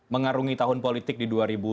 mengarungi tahun politik di dua ribu sembilan belas